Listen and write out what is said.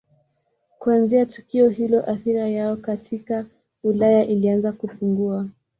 Kuanzia tukio hilo athira yao katika Ulaya ilianza kupungua.